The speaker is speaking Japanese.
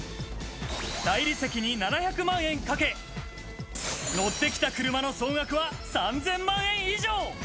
大理石に７００万円かけ、乗ってきた車の総額は３０００万円以上。